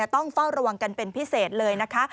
ต้องเฝ้าระวังกันเป็นพิเศษเลยนะคะ